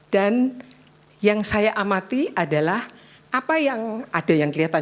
dan yang saya amati adalah apa yang ada yang kelihatannya